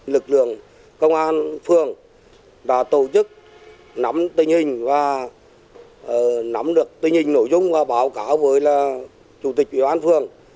lực lượng công an phường đã tổ chức nắm tình hình và nắm được tình hình nội dung và báo cáo với chủ tịch ủy ban phường